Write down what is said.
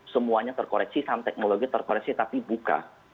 semuanya terkoreksi saham teknologi terkoreksi tapi buka